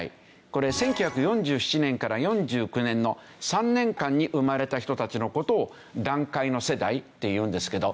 これ１９４７年から４９年の３年間に生まれた人たちの事を団塊の世代っていうんですけど。